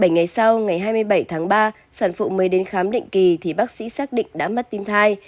bảy ngày sau ngày hai mươi bảy tháng ba sản phụ mới đến khám định kỳ thì bác sĩ xác định đã mất tim thai